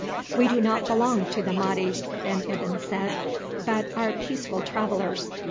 "We do not belong to the Mahdi," Ben Ibyn said, "but are peaceful travellers.